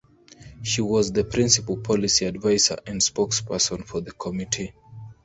She was the principal policy advisor and spokesperson for the Committee.